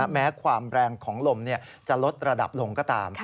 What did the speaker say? แม้ความแรงของลมจะลดระดับลงก็ตาม